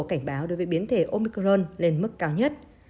cảnh báo đối với biến thể omicron lên mức cao nhất